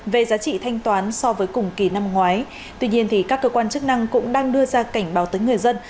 về giá trị thanh toán so với cùng kỳ năm ngoái tuy nhiên các cơ quan chức năng cũng đang đưa ra cảnh báo tới người dân